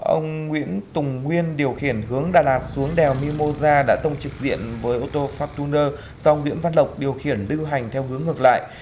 ông nguyễn tùng nguyên điều khiển hướng đà lạt xuống đèo mimosa đã tông trực diện với ô tô foruner do nguyễn văn lộc điều khiển lưu hành theo hướng ngược lại